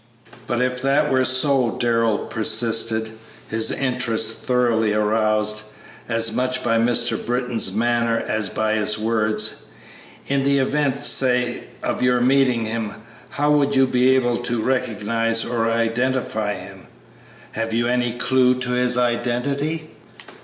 "But if that were so," Darrell persisted, his interest thoroughly aroused, as much by Mr. Britton's manner as by his words, "in the event, say, of your meeting him, how would you be able to recognize or identify him? Have you any clew to his identity?"